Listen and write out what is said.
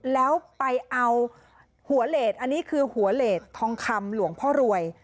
แล้วไปเอาหัวเลสอันนี้คือหัวเลสทองคำหลวงพ่อรวย